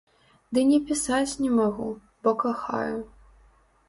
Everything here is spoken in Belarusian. Ды не пісаць не магу, бо кахаю.